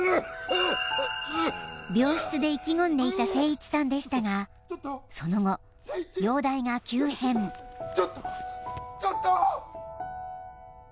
病室で意気込んでいた清一さんでしたがその後ちょっとちょっと！